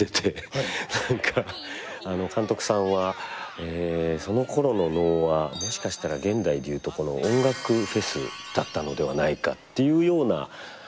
何か監督さんはそのころの能はもしかしたら現代でいうとこの音楽フェスだったのではないかっていうような観点で。